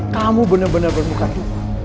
kamu benar benar bermuka tuh